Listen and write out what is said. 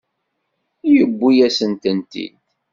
Yuwi-asen-tent-id.